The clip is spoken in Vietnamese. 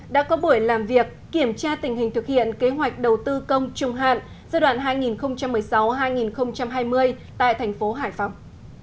đã có buổi làm việc kiểm tra tình hình thực hiện kế hoạch đầu tư công trung hạn giai đoạn hai nghìn một mươi sáu hai nghìn hai mươi tại thành phố hải phòng